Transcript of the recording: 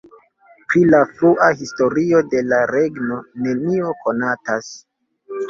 Pri la frua historio de la regno nenio konatas.